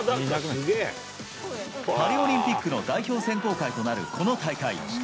パリオリンピックの代表選考会となるこの大会。